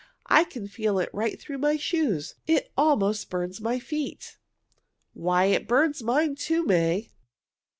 "I can feel it right through my shoes. It almost burns my feet." "Why, it burns mine, too, May!"